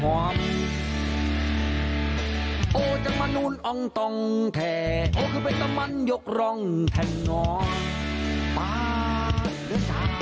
โอ้ยบักแตงโม